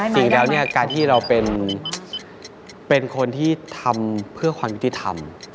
จริงแล้วเนี่ยการที่เราเป็นคนที่ทำเพื่อความยุติธรรม